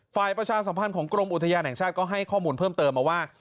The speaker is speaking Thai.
ประชาสัมพันธ์ของกรมอุทยานแห่งชาติก็ให้ข้อมูลเพิ่มเติมมาว่า